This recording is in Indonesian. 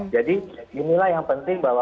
jadi inilah yang penting bahwa